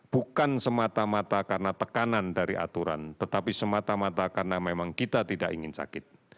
bukan semata mata karena tekanan dari aturan tetapi semata mata karena memang kita tidak ingin sakit